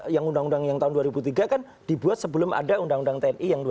yang undang undang yang tahun dua ribu tiga kan dibuat sebelum ada undang undang tni yang dua ribu